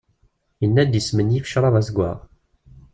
Yenna-d yesmenyif ccrab azewwaɣ.